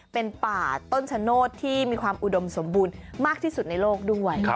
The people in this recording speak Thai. เป็นป่าต้นชะโนธที่มีความอุดมสมบูรณ์มากที่สุดในโลกด้วย